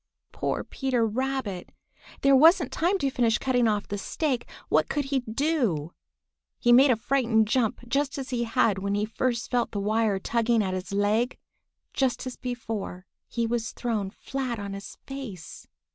Poor Peter Rabbit! There wasn't time to finish cutting off the stake. What could he do? He made a frightened jump just as he had when he first felt the wire tugging at his leg. Just as before, he was thrown flat on his face.